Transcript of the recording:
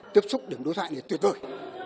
tiếp xúc đường đối thoại này tuyệt vời